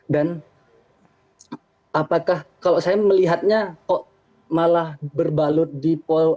dan apakah kalau saya melihatnya kok malah berbalut di pemilu